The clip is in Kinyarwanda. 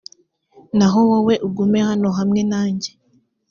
naho wowe, ugume hano hamwe nanjye;